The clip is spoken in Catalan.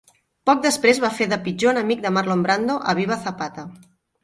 Poc després, va fer de pitjor enemic de Marlon Brando a "Viva Zapata!".